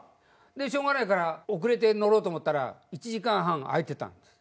でしょうがないから遅れて乗ろうと思ったら１時間半空いてたんです。